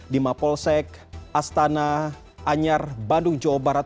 di mapolsek astana anyar bandung jawa barat